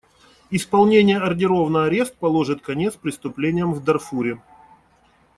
Исполнение ордеров на арест положит конец преступлениям в Дарфуре.